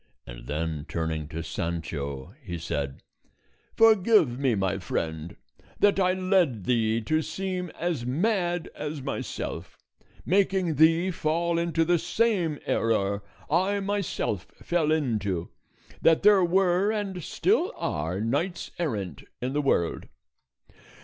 And then turning to Sancho, he said, "Forgive me, my friend, that I led thee to seem as mad as myself, making thee fall into the same error I myself fell into, that there were and still are knights errant in the world."